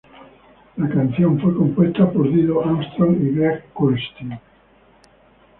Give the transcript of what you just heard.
La canción fue compuesta por Dido Armstrong y Greg Kurstin.